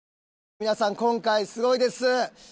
皆さん今回すごいです。